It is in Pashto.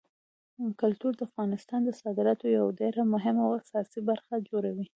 کلتور د افغانستان د صادراتو یوه ډېره مهمه او اساسي برخه جوړوي.